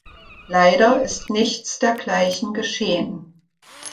Leider ist nichts dergleichen geschehen.